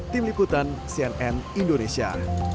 tim liputan cnn indonesia